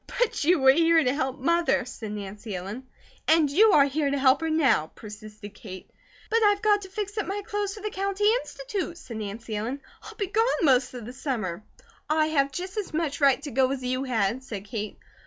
"But you were here to help Mother," said Nancy Ellen. "And you are here to help her now," persisted Kate. "But I've got to fix up my clothes for the County Institute," said Nancy Ellen, "I'll be gone most of the summer." "I have just as much right to go as you had," said Kate.